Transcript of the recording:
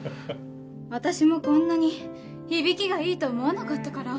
私もこんなに響きがいいと思わなかったから。